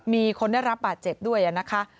มีคนได้รับบาดเจ็บด้วยนะคะ